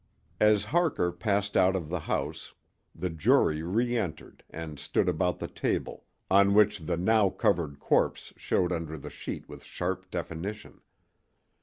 As Harker passed out of the house the jury reentered and stood about the table, on which the now covered corpse showed under the sheet with sharp definition.